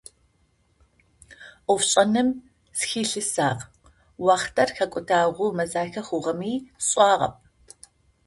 Ӏофшӏэным сыхилъэсагъ, уахътэр хэкӏотагъэу мэзахэ хъугъэми сшӏагъэп.